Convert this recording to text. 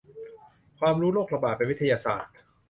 ความรู้โรคระบาด เป็นวิทยาศาสตร์